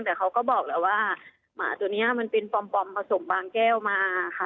แต่เขาก็บอกแล้วว่าหมาตัวนี้มันเป็นปลอมผสมบางแก้วมาค่ะ